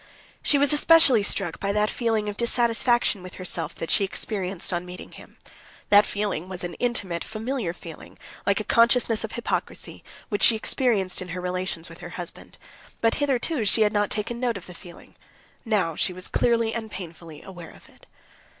She was especially struck by the feeling of dissatisfaction with herself that she experienced on meeting him. That feeling was an intimate, familiar feeling, like a consciousness of hypocrisy, which she experienced in her relations with her husband. But hitherto she had not taken note of the feeling, now she was clearly and painfully aware of it.